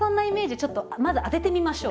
ちょっとまず当ててみましょう。